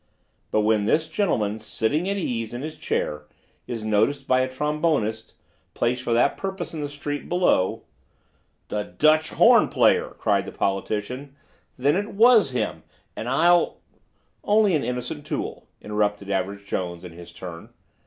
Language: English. But when this gentleman, sitting at ease in his chair, is noticed by a trombonist, placed for that purpose In the street, below—" "The Dutch horn player!" cried the politician. "Then it was him; and I'll—" "Only an innocent tool," interrupted Average Jones, in his turn.